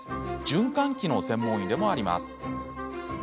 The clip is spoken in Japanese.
循環器の専門医でもあります。